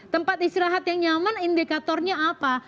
tempat istirahat yang nyaman indikatornya apa